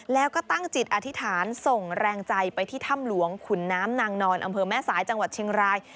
แล้วก็ตั้งจิตอธิษฐานส่งแรงใจไปที่ถ้ำหลวงขุนน้ำนางนอนอำเภอแม่สายจังหวัดเชียงราย